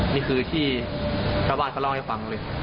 นี่คือที่ชาวบ้านเขาเล่าให้ฟังเลย